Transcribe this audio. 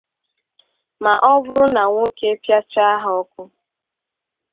ma ọ bụrụ na nwoke pịachaa ha ọkụ.